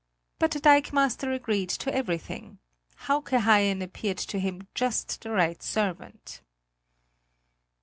But the dikemaster agreed to everything; Hauke Haien appeared to him just the right servant.